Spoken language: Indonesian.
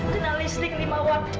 kena listrik limawat